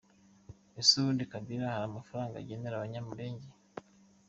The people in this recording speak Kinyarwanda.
Ese ubundi Kabila hari amafaranga agenera Abanyamurenge?